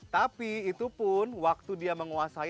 tapi itu pun waktu dia menguasai